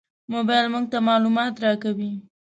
موبایل موږ ته معلومات راکوي.